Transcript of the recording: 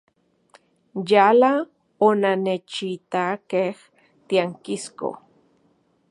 Yala onannechitakej tiankisko.